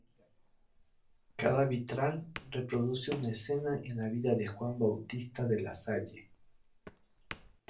Cada Vitral reproduce una escena de la vida de Juan Bautista De La Salle.